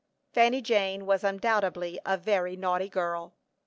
Fanny Jane was undoubtedly a very naughty girl.